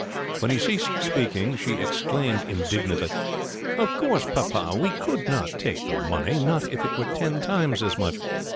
When he ceased speaking she exclaimed indignantly, "Of course, papa, we could not take the money, not if it were ten times as much!